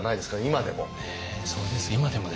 今でも。